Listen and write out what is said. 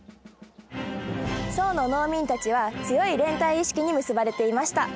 惣の農民たちは強い連帯意識に結ばれていました。